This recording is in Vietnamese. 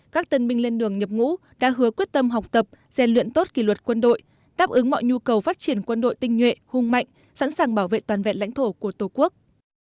các tân binh lên đường nhập ngũ đã hứa quyết tâm học tập rèn luyện tốt kỷ luật quân đội đáp ứng mọi nhu cầu phát triển quân đội tinh nhuệ hung mạnh sẵn sàng bảo vệ toàn vẹn lãnh thổ của tổ quốc